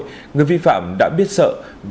vì vậy người vi phạm đã biết sợ